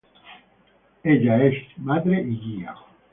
Ella es Madre y guía.